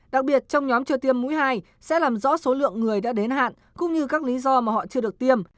đặc biệt trong nhóm chưa tiêm mũi hai sẽ làm rõ số lượng người đã đến hạn cũng như các lý do mà họ chưa được tiêm